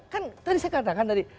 kan tadi saya katakan dari